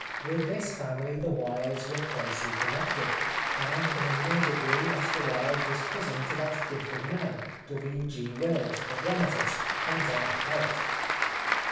With this family the Wildes were closely connected, and in a near degree Oscar Wilde was cousin to that gifted man, W. G. Wills, the dramatist, painter and poet.